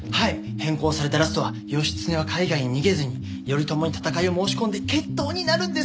変更されたラストは義経は海外に逃げずに頼朝に戦いを申し込んで決闘になるんです。